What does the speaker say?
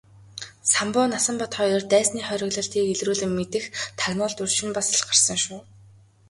Самбуу Насанбат хоёр дайсны хориглолтыг илрүүлэн мэдэх тагнуулд урьд шөнө бас л гарсан шүү.